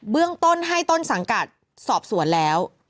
เรื่องต้นให้ต้นสังกัดสอบสวนแล้ว